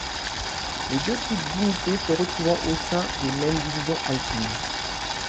Les deux types d'unités se retrouvant au sein des mêmes divisions alpines.